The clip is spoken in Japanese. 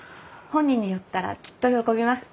本人に言ったらきっと喜びます。